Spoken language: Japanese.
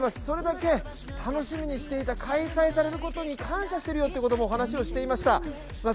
それだけ楽しみにしていた、開催されることに感謝しているよということもお話されていました。